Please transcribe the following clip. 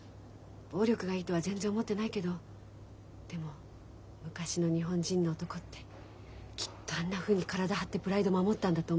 暴力がいいとは全然思ってないけどでも昔の日本人の男ってきっとあんなふうに体張ってプライド守ったんだと思う。